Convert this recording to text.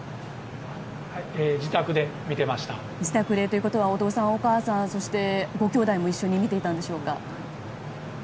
自宅でということはお父さん、お母さんごきょうだいも一緒に見ていたんでしょうか。